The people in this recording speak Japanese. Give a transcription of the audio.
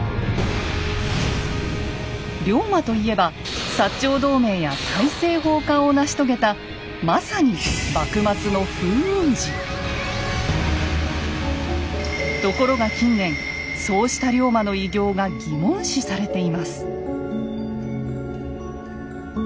龍馬と言えば長同盟や大政奉還を成し遂げたまさにところが近年そうした龍馬の偉業が疑問視されています。